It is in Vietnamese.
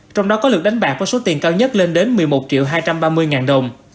trong đó có lượt đánh bạc với số tiền cao nhất lên đến một mươi một triệu hai trăm ba mươi ngàn đồng